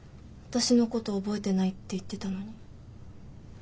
私のこと覚えてないって言ってたのに。